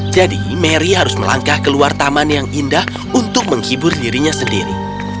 jadi mary harus melangkah ke luar taman yang indah untuk menghibur dirinya sendiri